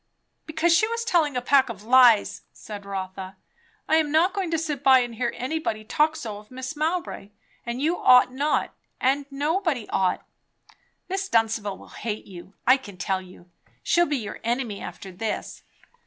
"Because she was telling a pack of lies!" said Rotha. "I'm not going to sit by and hear anybody talk so of Mrs. Mowbray. And you ought not; and nobody ought." "Miss Dunstable will hate you, I can tell you. She'll be your enemy after this."